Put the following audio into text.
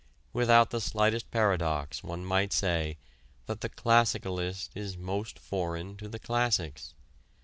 Without the slightest paradox one may say that the classicalist is most foreign to the classics.